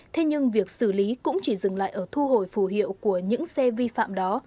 thế nhưng việc xử lý cũng chỉ dừng lại ở thu hồi phù hiệu của những xe vi phạm đó